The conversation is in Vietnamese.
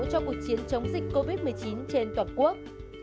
cho cuộc chiến chống dịch covid một mươi chín trên toàn quốc